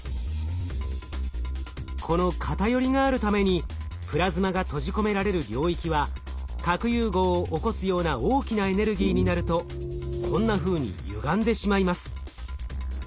このかたよりがあるためにプラズマが閉じ込められる領域は核融合を起こすような大きなエネルギーになるとこんなふうにゆがんでしまいます。